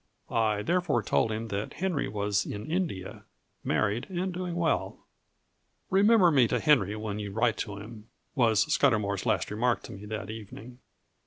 I therefore told him that Henry was in India, married, and doing well. "Remember me to Henry when you write to him," was Scudamour's last remark to me that evening.